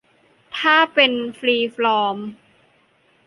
ถ้าเป็นฟรีฟอร์ม